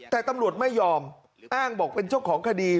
แต่ตำรวจไม่ยอมอ้างบอกเป็นเจ้าของคดี